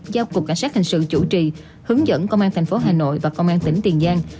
giao cục cảnh sát hành sự chủ trì hướng dẫn công an thành phố hà nội và công an tỉnh tiền giang